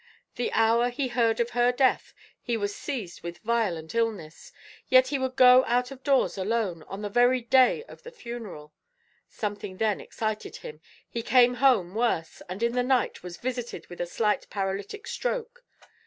The hour he heard of her death, he was seized with violent illness, yet he would go out of doors alone, on the very day of the funeral. Something then excited him; he came home worse, and in the night was visited with a slight paralytic stroke.